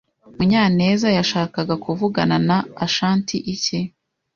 Munyanezyashakaga kuvugana na Ashanti iki?